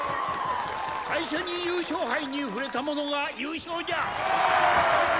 最初に優勝杯に触れた者が優勝じゃ！